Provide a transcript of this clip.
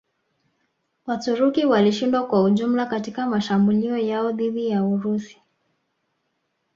Waturuki walishindwa kwa ujumla katika mashambulio yao dhidi ya Urusi